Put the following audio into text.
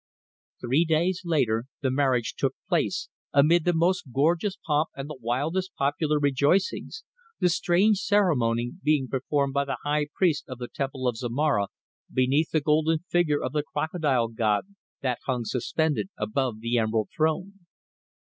Three days later the marriage took place amid the most gorgeous pomp and the wildest popular rejoicings, the strange ceremony being performed by the high priest of the Temple of Zomara beneath the golden figure of the Crocodile god that hung suspended above the Emerald Throne.